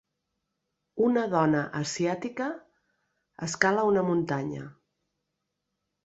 Una dona asiàtica escala una muntanya